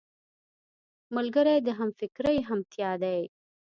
ملګری د همفکرۍ همتيا دی